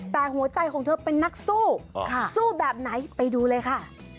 แต่หัวใจของเธอเป็นนักสู้สู้แบบไหนไปดูเลยค่ะ